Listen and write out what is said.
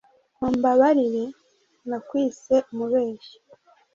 Mumbabarire nakwise umubeshyi